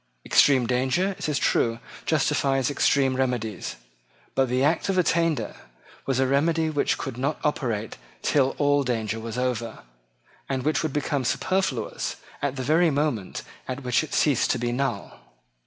Extreme danger, it is true, justifies extreme remedies. But the Act of Attainder was a remedy which could not operate till all danger was over, and which would become superfluous at the very moment at which it ceased to be null.